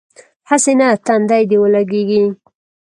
هسې نه تندی دې ولګېږي.